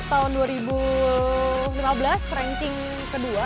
tahun dua ribu lima belas ranking kedua